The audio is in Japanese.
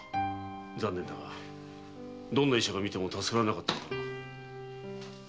残念だがどんな医者が診ても助からなかっただろう。